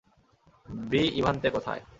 ব্রি ইভান্টে কোথায়?